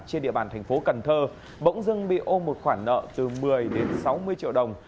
trên địa bàn thành phố cần thơ bỗng dưng bị ô một khoản nợ từ một mươi đến sáu mươi triệu đồng